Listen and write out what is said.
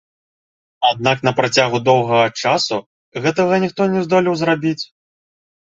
Аднак на працягу доўгага часу гэтага ніхто не здолеў зрабіць.